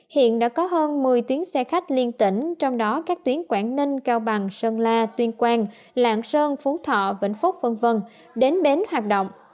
hiện đã có hơn một mươi tuyến xe khách liên tỉnh trong đó các tuyến quảng ninh cao bằng sơn la tuyên quang lạng sơn phú thọ vĩnh phúc v v đến bến hoạt động